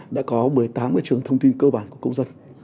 đã có một mươi tám trường thông tin cơ bản của công dân